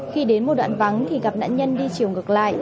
khi đến một đoạn vắng thì gặp nạn nhân đi chiều ngược lại